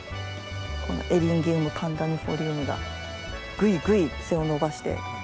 このエリンジウムパンダニフォリウムがぐいぐい背を伸ばして。